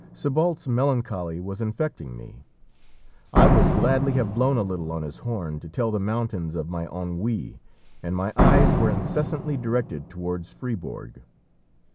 Sébalt's melancholy was infecting me; I would gladly have blown a little on his horn to tell the mountains of my ennui, and my eyes were incessantly directed towards Fribourg.